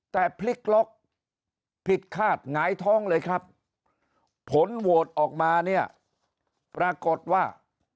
แต่พลิกล็อกผิดคาดหงายท้องเลยครับผลโหวตออกมาเนี่ยปรากฏว่า